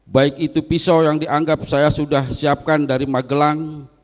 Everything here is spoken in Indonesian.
baik itu pisau yang dianggap saya sudah siapkan dari magelang